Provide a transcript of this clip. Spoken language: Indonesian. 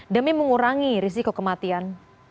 demi mengurangi risiko kematian